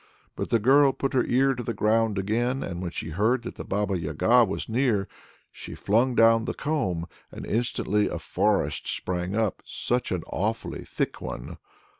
But the girl put her ear to the ground again, and when she heard that the Baba Yaga was near, she flung down the comb, and instantly a forest sprang up, such an awfully thick one!